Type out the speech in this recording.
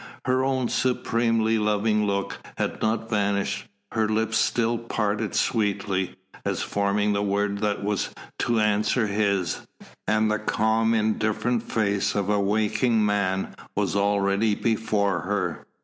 Her own supremely loving look had not vanished, her lips still parted sweetly, as forming the word that was to answer his, and the calm indifferent face of the waking man was already before her.